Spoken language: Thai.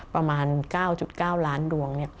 ประมาณ๙๙ล้านดวง